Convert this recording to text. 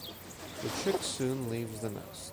The chick soon leaves the nest.